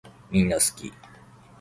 みんなすき